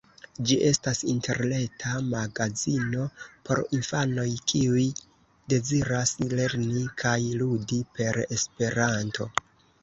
Ĝi estas interreta magazino por infanoj, kiuj deziras lerni kaj ludi per Esperanto.